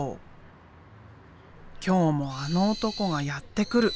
今日もあの男がやって来る。